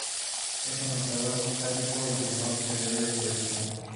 Es un luchador muy sádico y que no se debe subestimar.